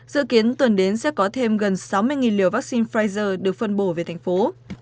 dự kiến tuần đến sẽ có thêm gần sáu mươi liều vaccine pfizer được phân bổ về thành phố